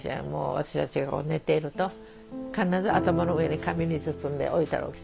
私たちが寝ていると必ず頭の上に紙に包んで置いてあるわけさ。